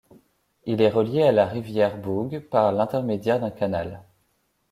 Il est relié à la rivière Boug par l'intermédiaire d'un canal.